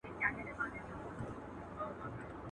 مقابل لوري ته بايد د قدر احساس ورکړئ.